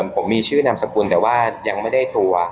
ผมมีชื่อนามสกุลแต่ว่ายังไม่ได้ตัว